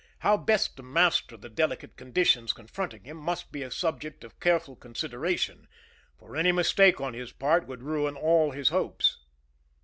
How best to master the delicate conditions confronting him must be a subject of careful consideration, for any mistake on his part would ruin all his hopes.